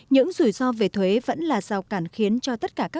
những rủi ro về thuế vẫn là rào cản khiến cho tất cả các quốc gia